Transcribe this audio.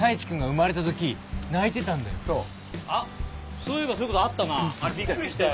そういえばそういうことあったなあれびっくりしたよ。